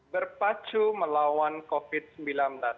berpacu melawan covid sembilan belas